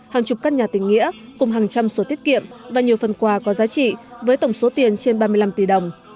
hàng chục căn nhà tình nghĩa cùng hàng trăm số tiết kiệm và nhiều phần quà có giá trị với tổng số tiền trên ba mươi năm tỷ đồng